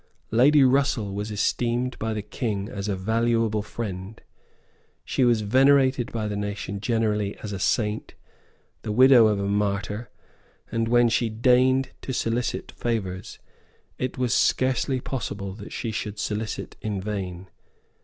Lady Russell was esteemed by the King as a valuable friend; she was venerated by the nation generally as a saint, the widow of a martyr; and, when she deigned to solicit favours, it was scarcely possible that she should solicit in vain.